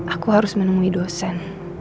aku harus menemui dosen